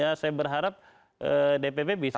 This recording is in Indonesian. ya saya berharap dpp bisa